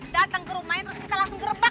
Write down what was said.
datang ke rumahnya terus kita langsung gerbak